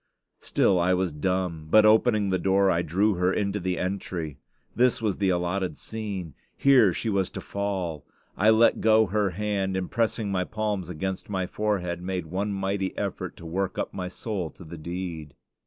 Still I was dumb; but, opening the door, I drew her into the entry. This was the allotted scene; here she was to fall. I let go her hand, and pressing my palms against my forehead, made one mighty effort to work up my soul to the deed.